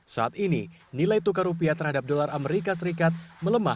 saat ini nilai tukar rupiah terhadap dolar amerika serikat melemah